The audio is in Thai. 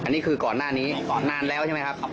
อันนี้คือก่อนหน้านี้นานแล้วใช่ไหมครับ